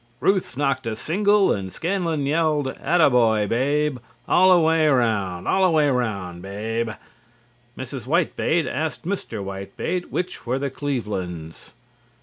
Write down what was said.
Ruth knocked a single and Scanlon yelled "Atta boy, Babe! All er way 'round! All er way round, Babe!" Mrs. Whitebait asked Mr. Whitebait which were the Clevelands.